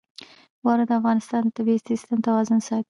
واوره د افغانستان د طبعي سیسټم توازن ساتي.